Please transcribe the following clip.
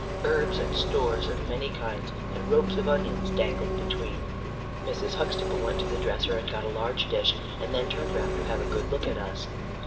Herbs and stores of many kinds, and ropes of onions dangled between. Mrs. Huxtable went to the dresser, and got a large dish, and then turned round to have a good look at us.